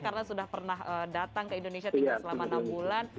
karena sudah pernah datang ke indonesia tinggal selama enam bulan